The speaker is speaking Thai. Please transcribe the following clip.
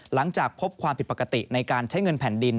หลังจากพบความผิดปกติในการใช้เงินแผ่นดิน